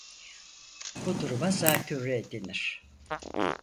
Bu duruma zatürre denir.